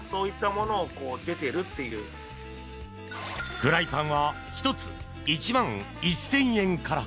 フライパンは１つ、１万１０００円から。